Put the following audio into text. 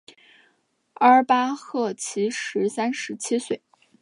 阿巴亥其时三十七岁。